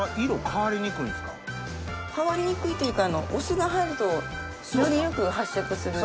変わりにくいというかお酢が入るとよりよく発色する。